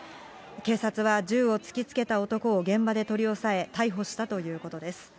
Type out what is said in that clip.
警察は銃を突きつけた男を現場で取り押さえ、逮捕したということです。